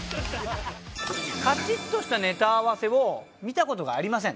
カチッとしたネタ合わせを見た事がありません。